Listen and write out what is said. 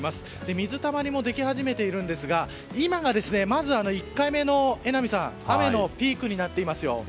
水たまりもでき始めているんですが今がまず１回目の雨のピークになっていますよ。